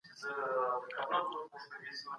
د يوه نفري واکمنۍ پایله اکثراً ديکتاتوري وي.